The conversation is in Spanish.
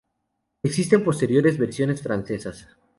Existen posteriores versiones francesas.